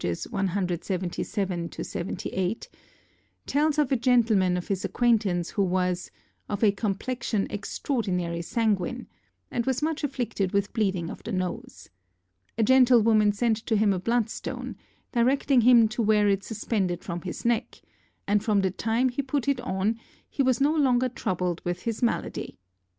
177 78), tells of a gentleman of his acquaintance who was "of a complexion extraordinary sanguin," and was much afflicted with bleeding of the nose. A gentlewoman sent to him a bloodstone, directing him to wear it suspended from his neck, and from the time he put it on he was no longer troubled with his malady.